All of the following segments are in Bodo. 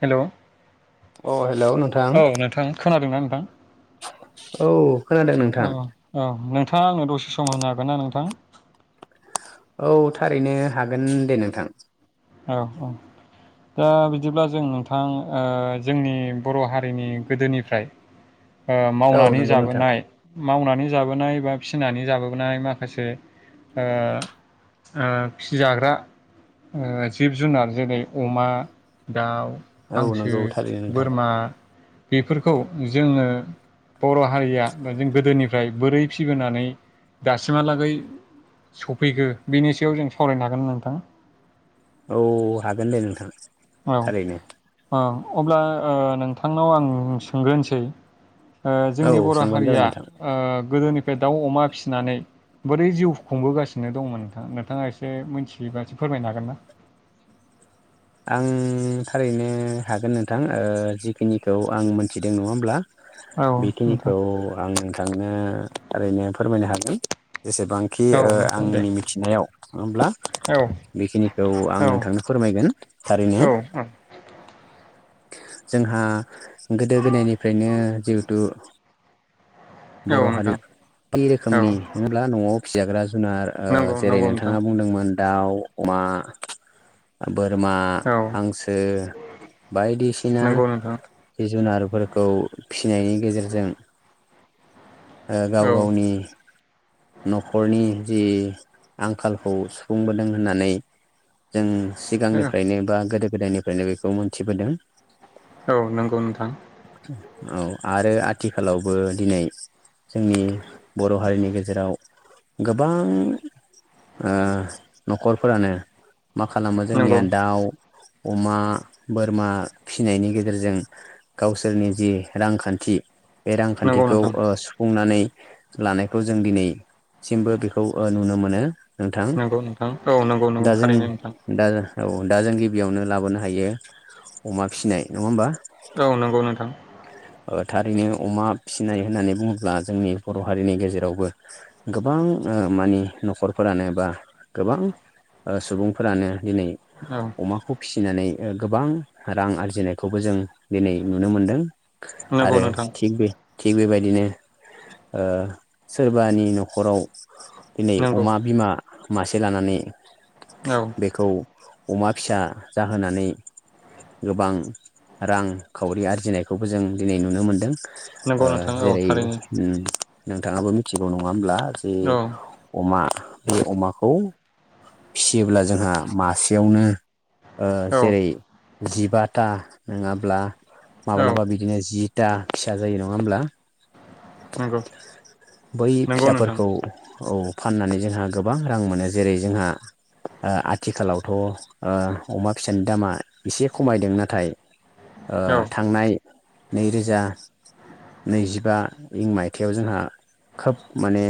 हेल'। अ' हेल' नोंथां। खोनादोंना नोंथां औ खोनादों औ नोंथां औ नोंथ थाङा आंनो दसे सम होनो हागोन ना नोंथां? औ थारैनो हागोन दे नोंथां। औ औ। दा बिदिब्ला जों नोंथां ओ जोंनि बर' हारिनि गोदोनिफ्राय ओ औ मावनानै नंगौ नोंथां जाबोनाय मावनानै जाबोनाय बा फिनानै जाबोनाय माखासे ओ ओ फिजाग्रा ओ जिब जुनार जेरै अमा, दाउ औ हांसो नंगौ थारैनो नोंथां बोरमा बेफोरखौ जोङो बर' हारिया जों गोदोनिफ्राय बोरै फिबोनानै दासिमहालागै सफैखो बेनि सायाव जों सावरायनो हागोनना नोंथां? औ हागोन दे नोंथां। औ थारैनो औ। अब्ला ओ नोंथांनाव आं सोंग्रोनसै। ओ औ जोंनि बर' सोंबानो जाबाय हारिया नोंथां ओ गोदोनिफ्राय दाउ, अमा फिनानै बोरै जिउ खुंबोगासिनो दंमोन नोंथां नोंथाङा एसे मोनथियोबा एसे फोरमायनो हागोन ना? [inaudible] आं थारैनो हागोन नोंथां ओ जिखिनिखौ आं मोनथिदों नङा होमब्ला। औ नोंथां बेखिनिखौ आं नोंथांनो ओरैनो फोरमायनो हागोन। जेसेबांखि औ ओ नोंथां दे आंनि मिथिनायाव नङा होमब्ला? औ बेखिनिखौ आं औ नोंथांनो फोरमायगोन। थारैनो औ जोंहा गोदो गोदायनिफ्रायनो जिहेथु औ बर' हारि नोंथां बि [unintelligible] औ रोखोमनि नङा होमब्ला [unintelligible] न'आव फिजाग्रा जुनार ओ नंगौ जेरै नंगौ नोंथां नोंथाङा बुंदोंमोन दाउ अमा बो रमा औ हांसो बायदिसिना नंगौ नोंथां जिब जुनार फोरखौ फिसिनायनि गेजेरजों ओ औ गाव गावनि न'खरनि जि आंखालखौ सुफुंबोदों होननानै जों सिगांनिफ्रायनो बा गोदो गोदायनिफ्रायनो बेखौ मोनथिबोदों। औ नंगौ नोंथां। औ आरो आथिखालावबो दिनै जोंनि बर' हारिनि गेजेराव गोबां ओ न'खरफोरानो मा खालामो नंगौ जोंनिया दाउ अमा बोरमा फिनायनि गेजेरजों गावसोरनि जि रांखान्थि बे नंगौ रांखान्थिखौ नोंथां ओ सुफुंनानै लानायखौ जों दिनैसिमबो बेखौ ओ नुनो मोनो। नोंथां नंगौ नोंथां औ नंगौ नंगौ दा जों थारैनो नोंथां दा औ दा जों गिबियावनो लाबोनो हायो अमा फिसिनाय नङा होमबा? औ नंगौ नोंथां ओ थारैनो अमा फिनाय होननानै बुङोब्ला जोंनि बर' हारिनि गेजेरावबो गोबां ओ मानि न'खरफोरानो बा गोबां ओ सुबुंफोरानो दिनै औ अमाखौ फि फिनानै ओ गोबां रां आरजिनायखौबो जों दिनै नुनो मोनदों। नंगौ आरो नोंथां थिख बे थिग बेबायदिनो ओ सोरबानि न'खराव दिनै नंगौ अमा बिमा मासे लानानै औ बेखौ अमा फिसा जाहोनानै गोबां रां खावरि आरजिनायखौबो जों दिनै नुनो मोनदों। नंगौ ओ नोंथां औ जेरै थारैनो ओम नोंथाङाबो मिथिगौ नङा होमब्ला जे औ अमा बे अमाखौ फियोब्ला जोंहा मासेयावनो ओ औ जेरै जिबाथा नङाब्ला औ माब्लाबा बि जिथा फिसा जायो नङा होमब्ला? नंगौ बै नंगौ नोंथां फिसाफोरखौ औ फाननानै जोंहा गोबां रां मोनो जेरै जोंहा ओ आथिखालावथ' ओ अमा फिसानि दामा एसे खमायदों नाथाय ओ औ थांनाय नैरोजा नैजिबा इं मायथाइयाव जोंहा खोब माने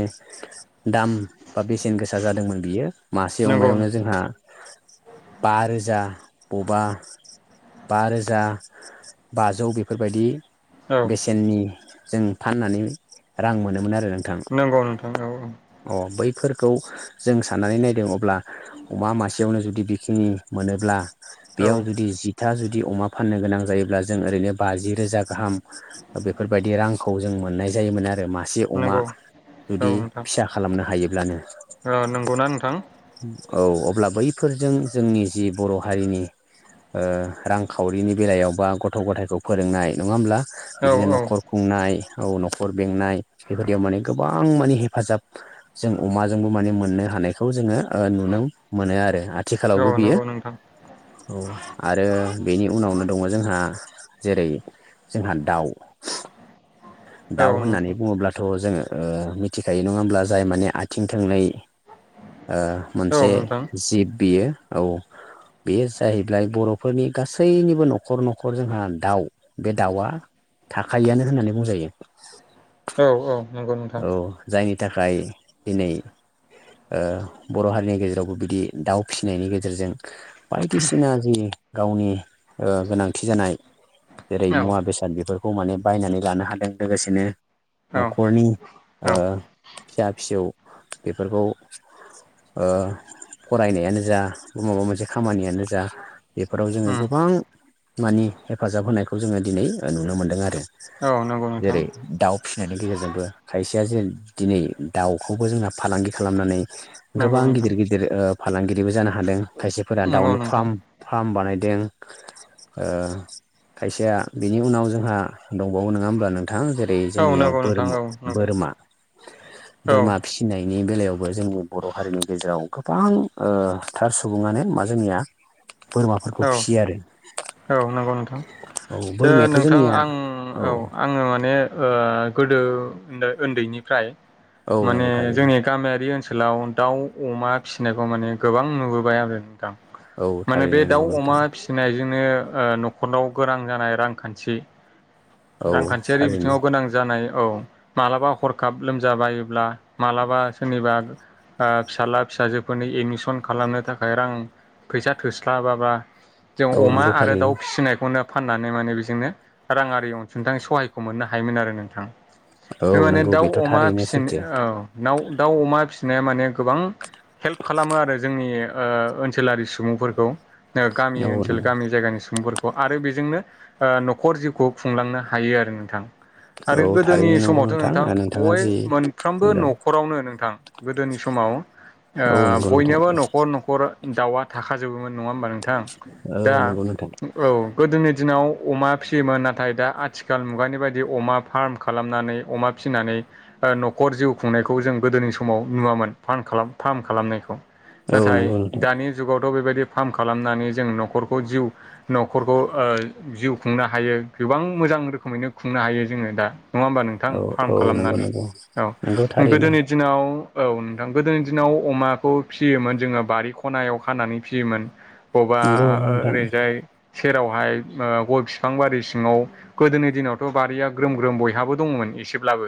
दाम बा बेसेन गोसा जादोंमोन बियो। मासे नंगौ अमायावनो जोंहा बा रोजा बबा बा रोजा बाजौ बे बेफोरबायदि औ बेसेननि जों फाननानै रां मोनोमोन आरो। नोंथां नंगौ नोंथां औ अ बैफोर खौ जों साननानै नायदों अब्ला अमा मासेयावनो जुदि बेखिनि मोनोब्ला औ बेयाव जुदि जिथा जुदि अमा फाननो गोनां जायोब्ला जों ओरैनो बाजि रोजा गाहाम बेफोरबायदि रांखौ जों मोननाय जायोमोन आरो मासे अमा नंगौ जुदि औ नोंथां फिसा खालामनो हायोब्लानो औ नंगौना नोंथां औ अब्ला बैफोरजों जोंनि जि बर' हारिनि ओ रांखावरिनि बेलायाव बा गथ गथायखौ फोरोंनाय नङा होमब्ला औ बिदिनो औ नखर खुंनाय औ नखर बेंनाय बेबायदियाव माने गोबां माने हेफाजाब जों अमाजोंबो माने मोननो हा खौ जोङो नुनो मोनो आरो आ औ आथिखालावबो बियो नंगौ नोंथां औ आरो बेनि उनावनो दङ जोंहा जेरै जोंहा दाउ औ दाउ होननानै नोंथां बुङोब्लाथ जोङो ओ मिथिखायो नङाहोमब्ला जाय माने आथिं थोंनै ओ औ मोनसे नोंथां जिब बियो औ बेयो जाहैबाय बरफोरनि गासैनिबो नखर नखर जोंहा दाउ बे दाउआ थाखायोआनो होननानै बुंजायो औ औ नंगौ नोंथां औ जायनि थाखाय दिनै ओ बर हारिनि गेजेरावबो बिदि दाउ फिसिनायनि गेजेरजों बायदिसिना जि गावनि ओ गोनांथि जानाय जेरै औ मुवा बेसाद बेफोरखौ माने बायनानै लानो हादों लोगोसेनो औ नखरनि औ ओ फिसा फिसौ बेफोरखौ ओ फरायनायानो जा ब माबा मोनसे खामानियानो जा बेफोराव जोङो उम गोबां मानि हेफाजाब होनायखौ जोङो दिनै ओ नुनो मोन्दों आरो औ नंगौ नोंथां जेरै दाउ फिसिनायनि गेजेरजोंबो खायसेया जों दिनै दाउखौबो जोंना फालांगि खालामनानै नंगौ गोबां नोंथां गिदिर गिदिर ओ फालांगिरिबो जानो हादों खायसेफोरा नंगौ दाउनि नोंथां फार्म फार्म बानाय दों ओ खायसेया बिनि उनाव जोंहा दंबावो नोङा होमबा नों थां जेरै औ जोंनियाव नंगौ बोर नोंथां औ नंगौ औ बोरमा फिसिनायनि बेलायाव बो जोंनि बर हारिनि गेजेराव गोबां ओ थार सुबुङानो मा जोंनिया? बोरमाफोरखौ औ फियो आरो। औ नंगौ नोंथां औ ओ बोरमायाथ' नोंथां जोंनिया आं औ आङो माने ओ गोदो ओन्दैनिफ्राय औ माने नंगौ थारैनो जोंनि गामियारि ओनसो लाव दाउ अमा फिसिनायखौ माने गोबां नुबोबाय आरो नोंथां औ माने बे थारैनो। दाउ नंगौ अमा नोंथां फिसिनायजोंनो ओ नखरनाव गोनां जानाय रांखान्थि औ रांखान्थियारि थारैनो बिथिङाव गोनां जानाय औ मालाबा हरखाब लोमजाबायोब्ला मालाबा सोरनिबा ओ फिसााजला फिसाजोफोरनि एडमिसन खालामनो थाखाय रां फैसा थोस बाबा औ नंगौ थारैनो फाननानै माने बेजोंनो राङारि अनसुंथाइ सहायखौ मोननो हायोमोन आरो नोंथां। औ बे माने नंगौ दाउ बेथ' अमा थारैनो फिसिनो सैथो औ दाउ अमा फिसिनाया माने गोबां हेल्प खालामो आरो जोंनि ओ ओनसोलारि सुबुंफोरखौ। गामि औ ओनसोल गामि जायगानि सुबुंफोर आरो बेजोंनो ओ नखर जिउखौ खुंलांनो हायो आरो नोंथां। आरो औ गोदोनि थारैनो नंगौ समावथ नोंथां नोंथाङा बय जि मोनफ्रोमबो बुंदों नखरावनो नोंथां गोदोनि समाव ओ औ नंगौ नोंथां बयनियाबो नखर नखर दाउआ थाखाजोबोमोन नङा होमबा नों थां दा औ नंगौ नोंथां औ गोदोनि दिनाव अमा फिसियोमोन नाथाय दा आथिखाल मुगानि बायदि अमा फार्म खालामनानै अमा फिनानै ओ नखर जिउ खुंनायखौ जों गोदोनि समाव नुवामोन फान खालाम फ्राम खालामनायखौ। औ नाथाय नंगौ नोंथां दानि जुगावथ बेबायदि फ्राम खालामनानै जों नखरखौ जिउ नखरखौ ओ जिउ खुंनो हायो गोबां मोजां मोजां रोखोमैनो खुंनो हायो जोङो दा। नङा होमबा नोंथां औ फ्राम औ नंगौ खालामनानै नंगौ औ नंगौ थारैनो गोदोनि दिनाव औ नोंथां गोदोनि दिनाव अमाखौ फियोमोन जोङो बारि खनायाव खानानै फियोमोन। ब बा नंगौ नोंथां ओरैजाय। सेरावहाय गय बिफां बारि सिङाव गोदोनि दिनावथ' बारिया ग्रोम ग्रोम बयहाबो दंमोन। एसेब्लाबो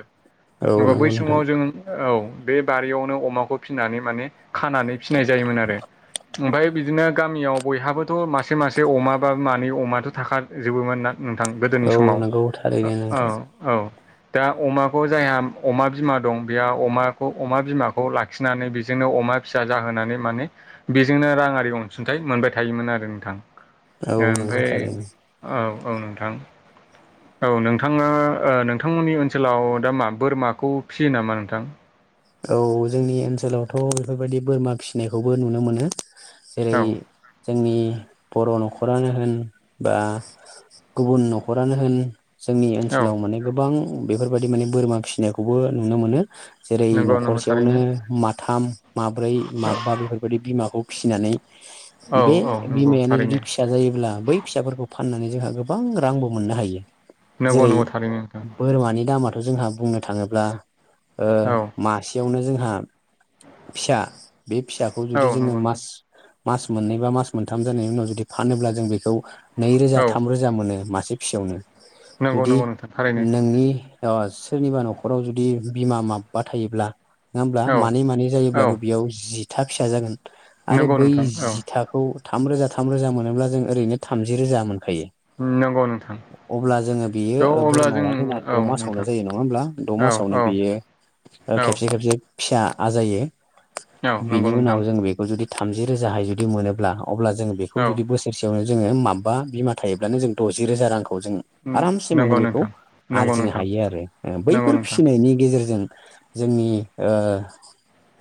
औ होमबा बै नंगौ नोंथां समाव जों औ बे बारियावनो अमाखौ फिनानै माने खानानै फिनाय जायोमोन आरो ओमफ्राय बिदिनो गामियाव बयहाबोथ' मासे मासे अमा बा मानै अमाथ' थाखाजोबोमोन ना। नोंथां गोदोनि औ समाव नंगौ थारैनो औ नोंथां औ। दा अमाखौ जायहा अमा बिमा दं बेहा अमाखौ अमा बिमाखौ लाखिनानै बेजोंनो अ अमा फिसा जाहोनानै माने बेजोंनो राङारि अनसुंथाइ मोनबाय थायोमोन आरो नोंथां। औ नंगौ ओमफ्राय थारैनो औ औ नोंथां। औ नोंथाङा नोंथांमोननि ओनसोलाव दा मा बोरमाखौ फिसियो नामा नोंथां। औ जोंनि ओनसोलावथ' बेफोरबायदि बोरमा फिसिनायखौबो नुनो मोनो। जेरै औ जोंनि बर' न'खरानो होन बा गुबुन न'खरानो होन। जोंनि ओनसोलाव औ माने गोबां बेफोरबायाददि माने बोरमा फिसिनायखौबो नुनो मोनो। दै नंगौ नंगौ न'खरसेयावनो थारैनो माथाम माब्रै माबबा बेफोरबायदि बिमाखौ फिसिनानै औ बे औ नंगौ बिमायानो जुदि थारैनो फिसा जायोब्ला बै फिसाफोरखौ फाननानै जोंहा गोबां रांबो मोननो हायो नंगौ जेरै नंगौ थारैनो नोंथां बोरमानि दामाथ' जों बुंनो थाङोब्ला औ मासेयावनो जोंहा फिसा बे फिसाखौ औ जुदि जोङो नंगौ नोंथां मास मास मोननै बा मास मोनथाम जानायनि उनाव जुदि फानोब्ला जों बेखौ नैरोजा औ थाम रोजा मोनो मा से फिसायावनो नंगौ जुदि नंगौ नोंथां थारैनो नोंनि अ सोरनिबा न'खराव जुदि बिमा माबबा थायोब्ला नङा होमब्ला औ मानै मानै जायोब्लाबो औ बेयाव जिथा फिसा जागोन आरो नंगौ बै नोंथां औ जिथाखौ थाम रोजा थाम रोजा मोनोब्ला जों ओरैनो थामजि रोजा मोन नांगौ नोंथां अब्ला जोङो बेयो थ' अब्ला जों बोरमाया जोंना औ द' मासावनो नोंथां जायो नङा होमब्ला द' औ मासावनो औ बियो औ खेबसे खेबसे फिसा आजायो औ बिनि नंगौ उनाव नोंथां जों बेखौ जुदि थामजि रोजाहाय जुदि मोनोब्ला अब्ला जों बेखौ औ जुदि बोसोरसेयावनो जोङो माबा बिमा थायोब्लानो जों दजि रोजा रांखौ खौ जों आरामसे माने नंगौ बेखौ नोंथां नंगौ आरजिनो नोंथां हायो आरो नंगौ बैफोर नोंथां फिसिनायनि गेजेरजों जोंनि ओ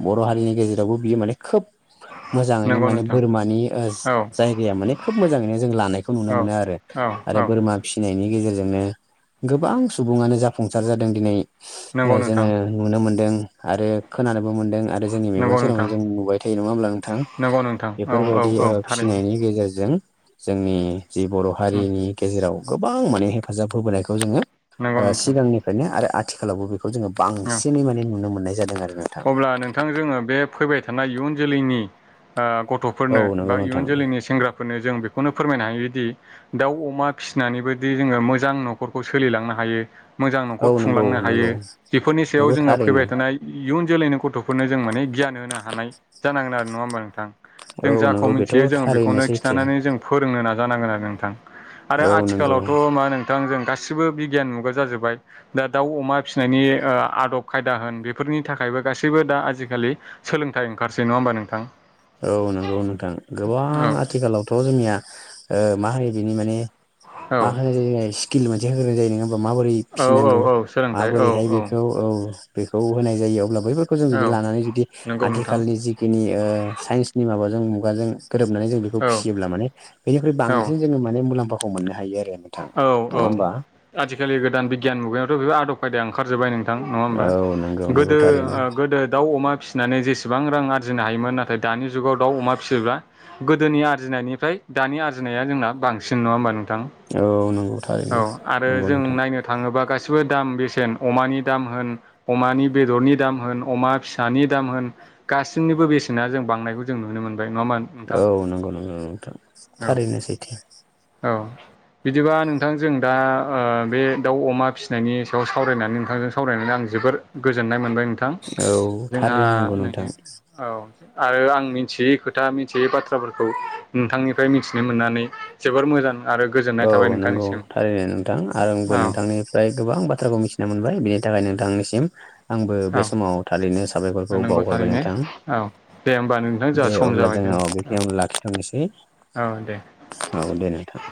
बर' हारिनि गेजेरावबो बियो माने खोब औ [inaudible] मोजाङैनो माने नोंथां बोरमानि जायगाया माने खोब मोजाङैनो जों लानायखौ नुनो औ मोनो आरो औ आरो औ बोरमा फिसिनायनि गेजेरजोंनो गोबां सुबुङानो जाफुंसार जादों दिनै नोंगौ ओ जोङो नुनो मोनदों आरो खोनानोबो मोनदों आरो आरो जोंनि मेगन नंगौ सेरावनो नोंथां जों नुबाय थायो नङा होमब्ला नोंथां नंगौ नोंथां औ औ बेफोरबायदि औ थारैनो फिसिनायनि गेजेरजों जोंनि जि बर' हारिनि गेजेराव गोबां माने हेफाजाब होबोनायखौ जोङो नंगौ नोंथां सिगांनिफ्रायनो आरो आथिखालावबो बेखौ जोङो औ बांसिनै माने नुनो मोननाय जादों आरो नोंथां अब्ला नोंथां जोङो बे फैबाय थानाय इयुन जोलैनि औ गथ'फोरनो नंगौ बा इयुन नोंथां जोलैनि सेंग्राफोरनो जों बेखौनो फोरमायनो हायोदि दाउ अमा फिसिनानैबोदि जोङो मोजां न'खरखौ सोलिलांनो हायो मोजां औ न'खर नंगौ खुंलांनो हायो नंगौ बेफोरनि सायाव नंगौ जोङो थारैनो फैबाय थानाय जोलैनो गथ'फोरनो जों माने गियान होनो हानाय जानांगोन आरो नङा होमबा नोंथां औ जों जाखौ नंगौ बेथ' मिथियो जोङो थारैनो बेखौनो सैथो खिन्थानानै जों फोरोंनो नाजायो जानांगोन आरो नोंथां आरो औ नंगौ आथिखालावथ' मा नोंथां जों गासिबो बिगियान मुगा जाजोब्बाय दा दाउ अमा फिसिनायनि आदब खायदा होन बे फोरनि थाखायबो गासैबो दा आजिखालि सोलोंथाइ ओंखारसै नङा होमबा नोंथां औ नंगौ नोंथां गोबां औ आथिखालावथ' जोंनिया मा होनो बिनि माने औ मा होनाय जायो स्किल मोनसे होन्राय जायो नङा माबोरै औ फिसिनांगौ औ सोलोंथाइ औ माबोरैहाय बे औ खौ होनाय जायो? बैफोरखौ जों जुदि औ लानानै जुदि नंगौ नोंथां आथिखालनि जिखिनि साइन्सनि माबाजों मुगाजों गोरोबनानै जों बेखौ औ फिसियोब्ला माने बेनिखुइ औ बांसिन जोङो माने मुलाम्फाखौ मोननो हायो आरो नोंथां औ नङा औ होमबा आजिखालि गोदान बिगियान मुगायावथ' बेबो आदब खायदाया ओंखारजोबबाय नों थां नङा होनबा? औ नंगौ नंगौ थारैनो गोदो दाउ, अमा फिसिनानै जेसेब बां रां आरजिनो हायोमोन नाथाय दानि जुगाव दाउ, अमा फिसियोब्ला गोदोनि आरजिनायनिफ्राय दानि आरजिनाय आरजिनाया जोंना बांसिन नङा होनबा नोंथां? औ नंगौ थारैनो आरो नंगौ जों नोंथां नायनो थाङोबा गासिबो दाम बेसेन अमानि दाम होन अमानि बेदरनि दाम होन अमा फिसानि दाम होन गाससिनिबो बेसेना जों बांनायखौ जों नुनो मोनदों। जाय नङा होनबा नोंथां? औ नंगौ नंगौ नोंथां थारैनो सैथो औ औ। बिदिबा नोंथां जों दा बे दाउ, अमा फिसिनायनि सायाव सावरायनानै नोंथांजों सावरायनानै आं जो जोबोर गोजोननाय मोनबाय नोंथां औ जोंहा थारैनो नंगौ नोंथां औ। आरो आं मिन्थियै खोथा मिथियै बाथ्राफोरखौ नोंथांनिफ्राय मिथिनो मोननानै जोबोर मोजां आरो गोजोननाय औ थाबाय नंगौ नोंथांनिसिम थारैनो नोंथां आरो आंबो औ नोंथांनिफ्राय गोबां बाथ्राखौ मिथिना मोनबाय बिनि थाखाय नोंथांनि सिम आंबो बे औ समाव थारैनो साबायफोरखौ नंगौ बावहरबाय थारैनो नोंथां औ दे होमबा नोंथां जोंहा दे सम अब्ला जाबाय जों औ दोननोसै बेखिनिआवनो लाखिथनो सै। औ दे। औ दे नोंथां।